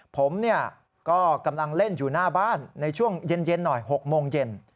ผมก็กำลังเล่นอยู่หน้าบ้านในช่วงเย็นหน่อย๖โมงเย็น